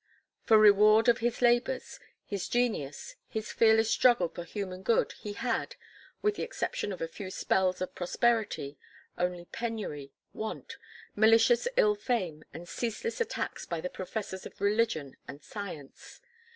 For reward of his labours, his genius, his fearless struggle for human good he had with the exception of a few spells of prosperity only penury, want, malicious ill fame and ceaseless attacks by the professors of religion and science.